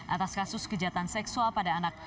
atas kasus kejahatan seksual pada anak